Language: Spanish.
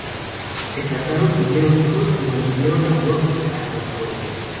Se casaron, tuvieron hijos y mantuvieron a Rosie hasta su muerte.